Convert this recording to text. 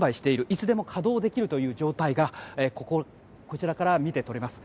いつでも稼働できるという状態がこちらからみてとれます。